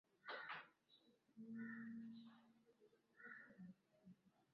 Wiki mbili zilizopita, ghasia zilizochochewa na watu wanaoshukiwa kuwa wafuasi wa chama tawala cha